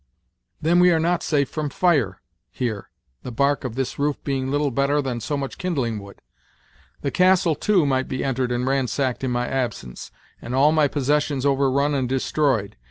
Then we are not safe from fire, here, the bark of this roof being little better than so much kindling wood. The castle, too, might be entered and ransacked in my absence, and all my possessions overrun and destroyed.